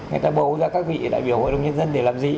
người ta bầu ra các vị đại biểu hội đồng nhân dân để làm gì